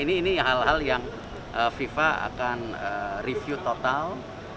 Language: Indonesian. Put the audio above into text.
ini hal hal yang fifa akan review total